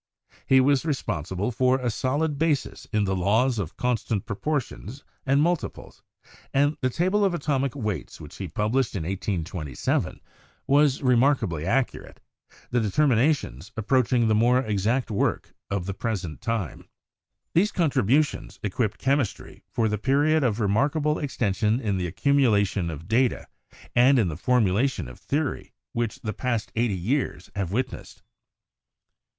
He was responsi ble for a solid basis in the laws of constant proportions and multiples, and the table of atomic weights which he published in 1827 was remarkably accurate, the determina tions approaching the more exact work of the present lime. These contributions equipped chemistry for the period of remarkable extension in the accumulation of data and in the formulation of theory which the past eighty years have witnessed.